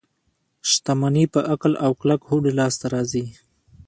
شتمني په عقل او کلک هوډ لاس ته راځي.